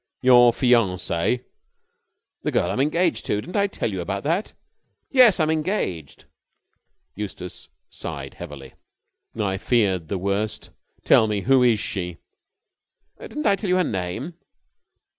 "Your fiancee?" "The girl I'm engaged to. Didn't I tell you about that? Yes, I'm engaged." Eustace sighed heavily. "I feared the worst. Tell me, who is she?" "Didn't I tell you her name?"